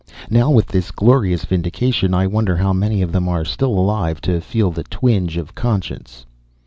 Now with this glorious vindication, I wonder how many of them are still alive to feel the twinge of conscience....